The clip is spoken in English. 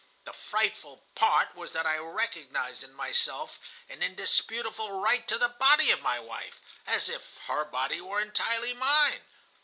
The frightful part was that I recognized in myself an indisputable right to the body of my wife, as if her body were entirely mine.